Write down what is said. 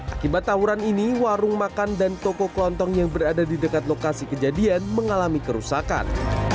akibat tawuran ini warung makan dan toko kelontong yang berada di dekat lokasi kejadian mengalami kerusakan